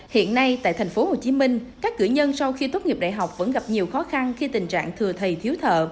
hiện nay tại tp hcm các cử nhân sau khi tốt nghiệp đại học vẫn gặp nhiều khó khăn khi tình trạng thừa thầy thiếu thợ